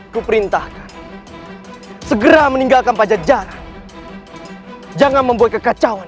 kubrindahkan segera meninggalkan pajak jat tidak membuat kekecauan